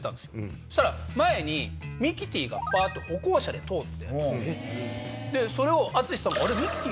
そしたら前にミキティがパッと歩行者で通ってそれを淳さんが。